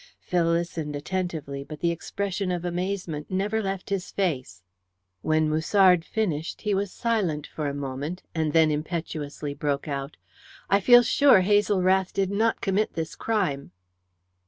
Phil listened attentively, but the expression of amazement never left his face. When Musard finished he was silent for a moment, and then impetuously broke out: "I feel sure Hazel Rath did not commit this crime."